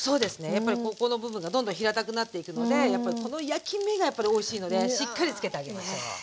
やっぱりここの部分がどんどん平たくなっていくのでやっぱりこの焼き目がやっぱりおいしいのでしっかりつけてあげましょう。